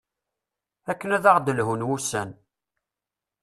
akken ad aɣ-d-lhun wussan